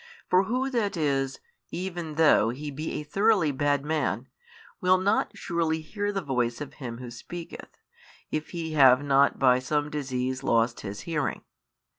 For who that is, even though he be a thoroughly bad man, will not surely hear the voice of him who speaketh, if he have not by some disease lost his hearing?